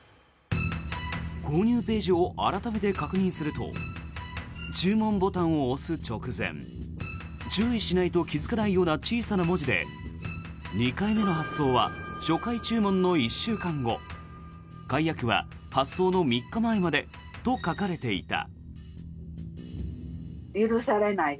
購入ページを改めて確認すると注文ボタンを押す直前注意しないと気付かないような小さな文字で２回目の発送は初回注文の１週間後解約は発送の３日前までと書かれていた。